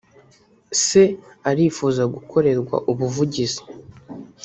se arifuza gukorerwa ubuvugizi